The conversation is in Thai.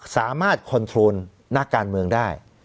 สามารถคอนโทรลนักการเมืองได้